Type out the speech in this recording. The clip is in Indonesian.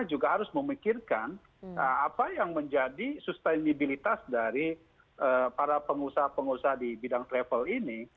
kita juga harus memikirkan apa yang menjadi sustainabilitas dari para pengusaha pengusaha di bidang travel ini